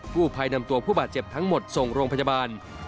ผู้ภัยนำตัวผู้บาดเจ็บทั้งหมดส่งโรงพยาบาล